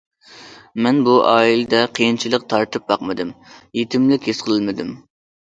مەن بۇ ئائىلىدە قىيىنچىلىق تارتىپ باقمىدىم، يېتىملىك ھېس قىلمىدىم.